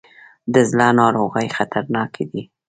د زړه ناروغۍ خطرناکې دي.